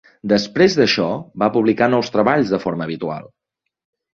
Després d'això, va publicar nous treballs de forma habitual.